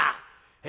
え